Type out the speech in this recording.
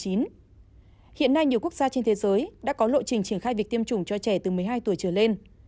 hiện nay nhiều quốc gia trên thế giới đã có lộ trình triển khai việc tiêm chủng cho trẻ từ một mươi hai tuổi trở lên